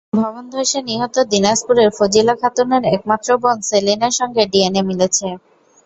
ভবনধসে নিহত দিনাজপুরের ফজিলা খাতুনের একমাত্র বোন সেলিনার সঙ্গে ডিএনএ মিলেছে।